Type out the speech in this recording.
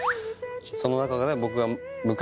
その中で僕が。